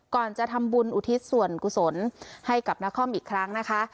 ก่อนจะทำบุญอุทิศส่วนกุศลให้กับนครอีกครั้งนะคะ